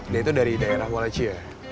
dia itu dari daerah walachia